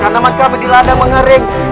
tanaman kami dilada mengering